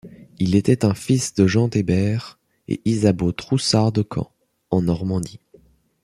Il était un fils de Jean Hébert et Isabeau Troussart de Caen, en Normandie.